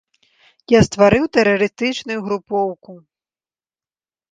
Я стварыў тэрарыстычную групоўку!